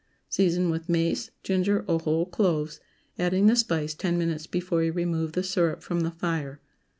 Season with mace, ginger, or whole cloves, adding the spice ten minutes before you remove the syrup from the fire.